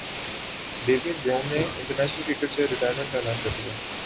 ڈیوین Bravo نے international cricket سے retirement کا اعلان کردیا